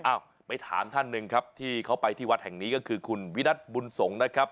อ้าวไปถามท่านหนึ่งครับที่เขาไปที่วัดแห่งนี้ก็คือคุณวินัทบุญสงฆ์นะครับ